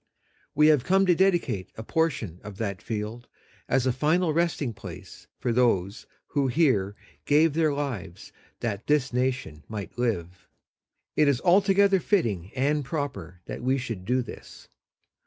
We have come to dedicate a portion of that field as a final resting place for those who here gave their lives that this nation might live. It is altogether fitting and proper that we should do this.